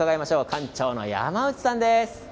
館長の山内さんです。